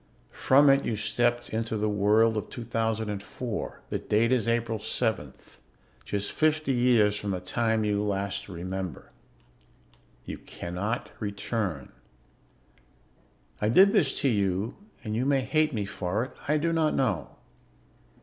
From it you stepped into the world of 2004. The date is April 7th, just fifty years from the time you last remember. "You cannot return. "I did this to you and you may hate me for it; I do not know.